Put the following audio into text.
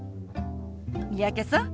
三宅さん